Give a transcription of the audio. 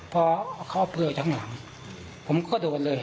พอเขาเอาเเบื้อไปกำหลังผมก็โดดเลย